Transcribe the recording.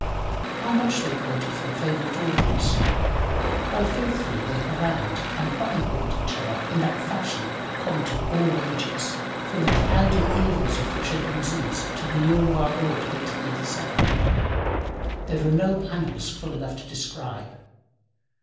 How much they quoted from favorite authors how faithfully they harangued and button holed each other in that fashion, common to all ages, from the cloudy eras of the Chimpanzees to the year of our Lord 1887 there are no annals full enough to describe.